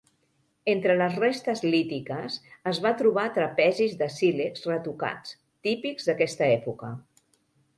Entre les restes lítiques es va trobar trapezis de sílex retocats, típics d'aquesta època.